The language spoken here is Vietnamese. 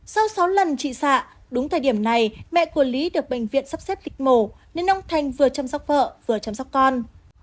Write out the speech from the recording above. sau sáu lần trị xạ đúng thời điểm này mẹ của lý được bệnh viện sắp xếp kịch mổ nên ông thành vừa chăm sóc vợ vừa chăm sóc con